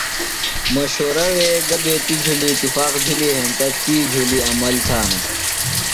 مشورہ وے گہ بیتیۡ جُھلیۡ اتفاق بِھلیۡ ہینتہ تی جُھلیۡ عمل تھانہ۔